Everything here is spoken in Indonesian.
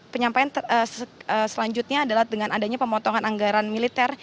penyampaian selanjutnya adalah dengan adanya pemotongan anggaran militer